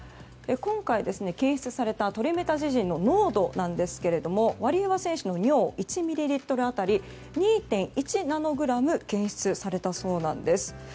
今回、検出されたトリメタジジンの濃度なんですがワリエワ選手の尿１ミリリットル当たり２．１ナノグラム検出されたそうなんです。